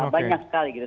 banyak sekali gitu